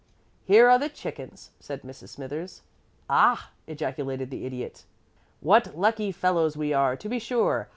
"Here are the chickens," said Mrs. Smithers. "Ah!" ejaculated the Idiot. "What lucky fellows we are, to be sure!